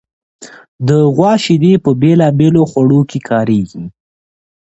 د غوا شیدې په بېلابېلو خوړو کې کارېږي.